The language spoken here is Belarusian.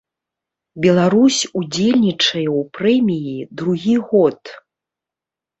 Беларусь удзельнічае ў прэміі другі год.